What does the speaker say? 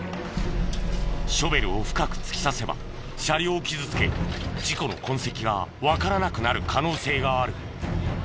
ショベルを深く突き刺せば車両を傷つけ事故の痕跡がわからなくなる可能性がある。